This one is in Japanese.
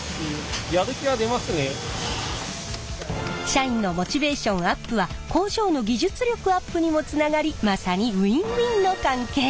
社員のモチベーションアップは工場の技術力アップにもつながりまさにウィンウィンの関係！